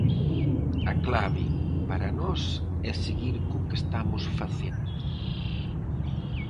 A clave para nós é seguir co que estamos facendo.